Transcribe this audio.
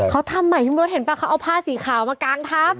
เขาทำใหม่พี่เบิร์ดเห็นป่ะเขาเอาผ้าสีขาวมากางทับ